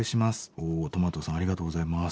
おおトマトさんありがとうございます。